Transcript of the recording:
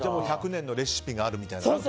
１００年のレシピがあるみたいな。